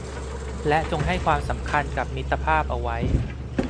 และจงให้ความสำคัญกับมิตรภาพเอาไว้